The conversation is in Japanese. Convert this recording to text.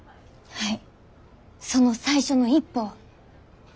はい。